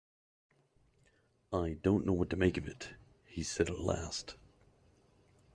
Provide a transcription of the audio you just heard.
“I don’t know what to make of it,” he said at last.